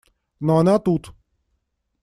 Но она тут.